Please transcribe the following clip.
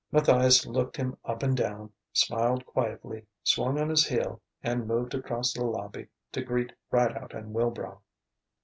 Matthias looked him up and down, smiled quietly, swung on his heel, and moved across the lobby to greet Rideout and Wilbrow.